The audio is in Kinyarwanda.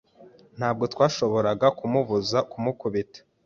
Ntabwo twashoboraga kumubuza kumukubita.